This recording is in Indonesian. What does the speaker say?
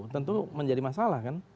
tentu menjadi masalah kan